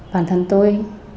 bản thân tôi